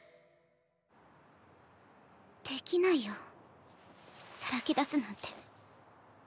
できないよさらけ出すなんて。